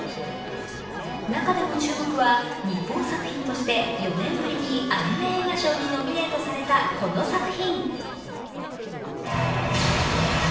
中でも注目は日本作品として４年ぶりにアニメ映画賞にノミネートされたこの作品。